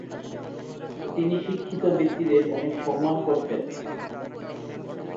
তিনি শিক্ষিত ব্যক্তিদের অনেক সম্মান করতেন।